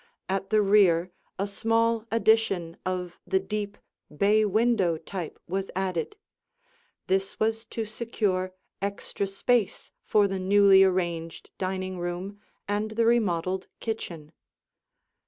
At the rear a small addition of the deep, bay window type was added; this was to secure extra space for the newly arranged dining room and the remodeled kitchen.